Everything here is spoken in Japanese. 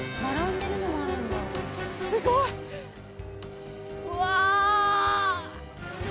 すごいうわ！